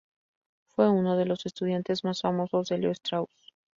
Fue uno de los estudiantes más famosos de Leo Strauss.